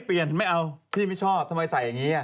เปลี่ยนไม่เอาพี่ไม่ชอบทำไมใส่อย่างนี้